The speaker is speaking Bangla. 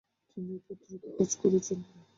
তিনি এই পত্রিকায় কাজ করেছেন।